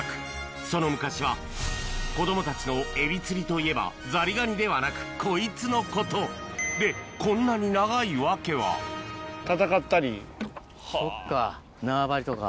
その昔は子供たちのエビ釣りといえばザリガニではなくこいつのことでこんなに長い訳はそっか。